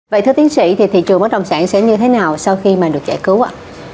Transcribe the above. vậy thưa tiến sĩ thì thị trường bất động sản sẽ như thế nào sau khi mà được giải cứu ạ